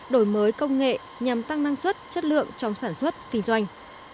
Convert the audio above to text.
đổi mới công nghệ nhằm tăng năng suất chất lượng trong sản xuất kinh doanh